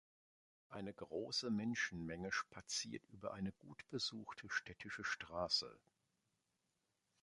Eine große Menschenmenge spaziert über eine gut besuchte städtische Straße.